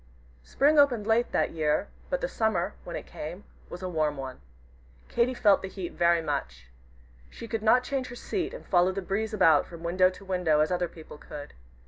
Spring opened late that year, but the Summer, when it came, was a warm one. Katy felt the heat very much. She could not change her seat and follow the breeze about from window to window as other people could.